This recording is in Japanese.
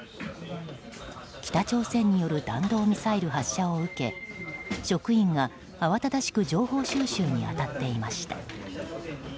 北朝鮮による弾道ミサイル発射を受け職員が慌ただしく情報収集に当たっていました。